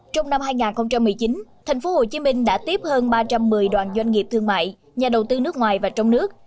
trong năm hai nghìn một mươi chín thành phố hồ chí minh đã tiếp hơn ba trăm một mươi đoàn doanh nghiệp thương mại nhà đầu tư nước ngoài và trong nước